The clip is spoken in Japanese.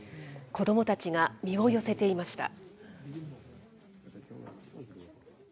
子どもたちが身を寄せていました。